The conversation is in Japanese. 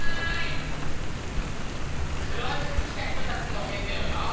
黒いふく着た人たちもへんだよな。